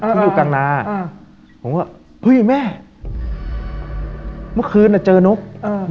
ที่อยู่กลางนาอ่ะอืมผมว่าเฮ้ยแม่เมื่อคืนน่ะเจอนกอ่า